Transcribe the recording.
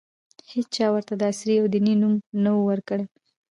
هېچا ورته د عصري او دیني نوم نه ؤ ورکړی.